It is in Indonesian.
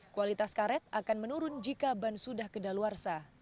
kualitas karet akan menurun jika ban sudah ke dalawarsa